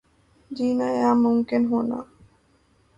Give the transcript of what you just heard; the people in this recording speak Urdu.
جینا ہاں ممکن ہونا